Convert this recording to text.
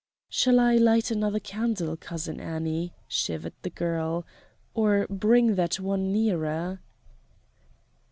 "Shall I light another candle, Cousin Annie?" shivered the girl, "or bring that one nearer?"